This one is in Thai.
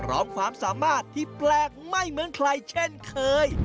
ความสามารถที่แปลกไม่เหมือนใครเช่นเคย